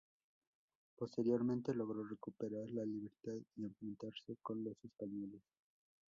Posteriormente logró recuperar la libertad y enfrentarse con los españoles.